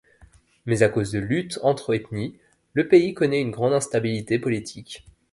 Mais à cause de luttes entre ethnies, le pays connaît une grande instabilité politique.